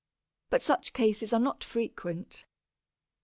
But such cases are not frequent.